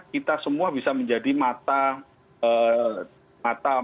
kita semua bisa menjadi mata mata